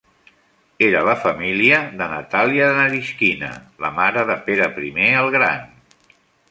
Era la família de Natalia Naryshkina, la mare de Pere I el Gran.